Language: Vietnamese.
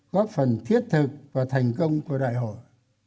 góp phần thiết thực và thành công của đại hội